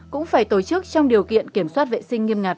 cũng phải tổ chức trong điều kiện kiểm soát vệ sinh nghiêm ngặt